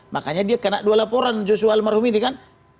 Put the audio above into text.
makanya dia kena dua laporan joshua almarhum ini kan